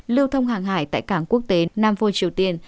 lưu thông hàng hải tại cảng quốc tế nam phôi triều tiên